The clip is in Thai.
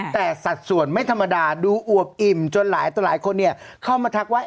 แต่สัดส่วนไม่ธรรมดาดูอวบอิ่มจนหลายตัวหลายคนเข้ามาทักว่า